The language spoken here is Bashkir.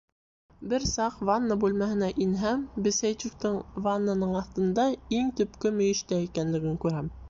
Бер саҡ ванна бүлмәһенә инһәм, Бесәйчуктың ваннаның аҫтында, иң төпкө мөйөштә, икәнлеген күрәм.